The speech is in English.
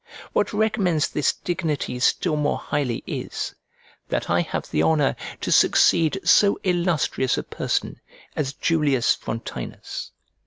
What recommends this dignity still more highly is, that I have the honour to succeed so illustrious a person as Julius Frontinus.